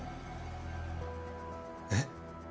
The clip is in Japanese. えっ。